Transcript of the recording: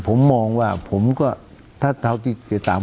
ผมมองว่าถ้าตีต่าง